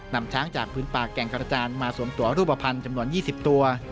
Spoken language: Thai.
นำช้างจากพื้นป่าแก่งกระจานมาสวมตัวรูปภัณฑ์จำนวน๒๐ตัว